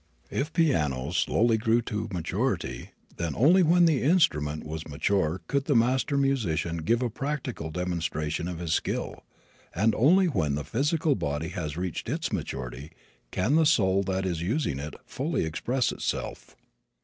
If pianos slowly grew to maturity then only when the instrument was mature could the master musician give a practical demonstration of his skill; and only when the physical body has reached its maturity can the soul that is using it fully express itself.